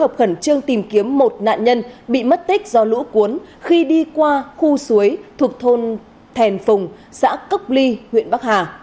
khẩn trương tìm kiếm một nạn nhân bị mất tích do lũ cuốn khi đi qua khu suối thuộc thôn thèn phùng xã cốc ly huyện bắc hà